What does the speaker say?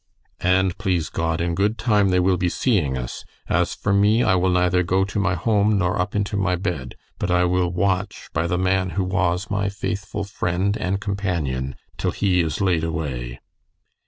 "And, please God, in good time they will be seeing us. As for me, I will neither go to my home nor up into my bed, but I will watch by the man who was my faithful friend and companion till he is laid away."